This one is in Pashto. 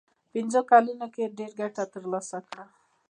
په پنځو کلونو کې ډېره ګټه ترلاسه کړه.